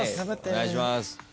お願いします。